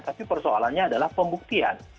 tapi persoalannya adalah pembuktian